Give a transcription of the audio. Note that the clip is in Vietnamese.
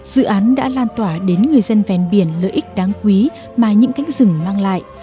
dự án đã lan tỏa đến người dân ven biển lợi ích đáng quý mà những cánh rừng mang lại